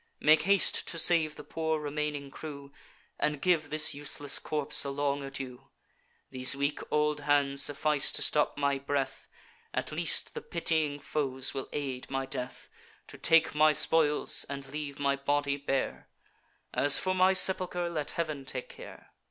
Make haste to save the poor remaining crew, And give this useless corpse a long adieu. These weak old hands suffice to stop my breath; At least the pitying foes will aid my death, To take my spoils, and leave my body bare: As for my sepulcher, let Heav'n take care.